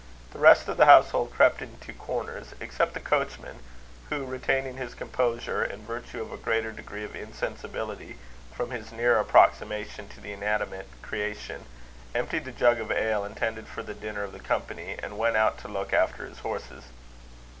The rest of the household crept into corners, except the coachman, who, retaining his composure, in virtue of a greater degree of insensibility from his nearer approximation to the inanimate creation, emptied the jug of ale intended for the dinner of the company, and went out to look after his horses.